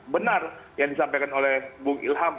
dan yang disampaikan bu ilham